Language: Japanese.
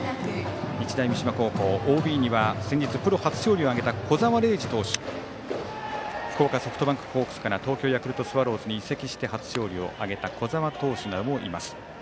日大三島高校、ＯＢには先日プロ初勝利を挙げた小澤怜史投手福岡ソフトバンクホークスから東京ヤクルトスワローズに移籍して初勝利を挙げた小澤投手らもいます。